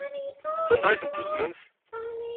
Sanda ay ten-tuznemt?